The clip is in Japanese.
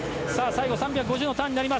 ３５０のターン。